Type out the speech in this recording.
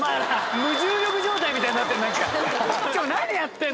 無重力状態みたいになってるの。